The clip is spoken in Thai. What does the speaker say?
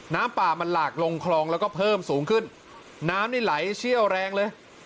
น้ำป่ามันหลากลงคลองแล้วก็เพิ่มสูงขึ้นน้ำนี่ไหลเชี่ยวแรงเลย